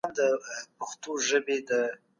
ازادي نعمت دی.